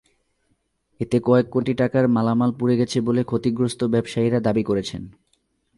এতে কয়েক কোটি টাকার মালামাল পুড়ে গেছে বলে ক্ষতিগ্রস্ত ব্যবসায়ীরা দাবি করেছেন।